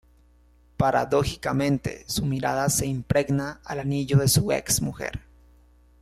Paradójicamente, su mirada se impregna al anillo de su ex mujer.